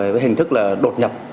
với hình thức là đột nhập